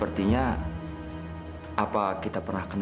terima kasih pak